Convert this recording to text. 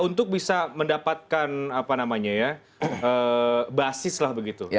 untuk bisa mendapatkan apa namanya ya basis lah begitu